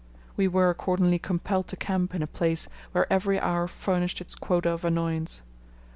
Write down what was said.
We were accordingly compelled to camp in a place where every hour furnished its quota of annoyance.